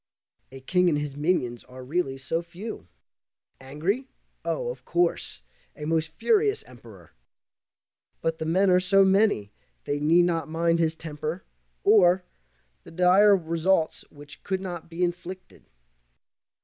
A king and his minions are really so few. Angry? Oh, of course, a most furious Emperor! But the men are so many they need not mind his temper, or The dire results which could not be inflicted.